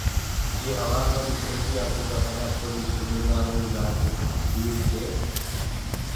يي هوآل وريٚ ڦوجيٚ آپوڪآ ٻڏآ ڦوجيٚ سوبيدآروُ جآڪي ديس ڪي